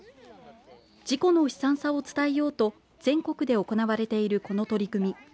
事故の悲惨さを伝えようと全国で行われているこの取り組み